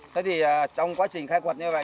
thế thì trong quá trình khai quật như vậy